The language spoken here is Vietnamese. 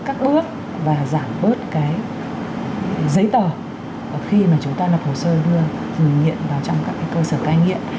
các bước và giảm bớt cái giấy tờ khi mà chúng ta lập hồ sơ đưa hiện vào trong các cơ sở cai nghiện